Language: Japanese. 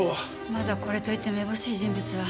まだこれといってめぼしい人物は。